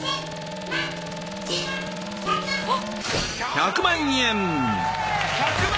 １００万！